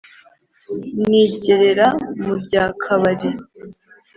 Nigerera mu rya Kabari